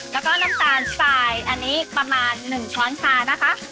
แล้วก็น้ำตาลสไตล์อันนี้ประมาณ๑ช้อนชานะคะ